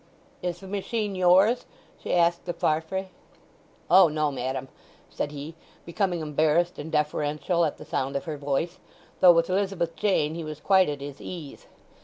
"Is the machine yours?" she asked of Farfrae. "O no, madam," said he, becoming embarrassed and deferential at the sound of her voice, though with Elizabeth Jane he was quite at his ease.